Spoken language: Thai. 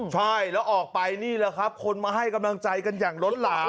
ใช่แล้วออกไปนี่แหละครับคนมาให้กำลังใจกันอย่างล้นหลาม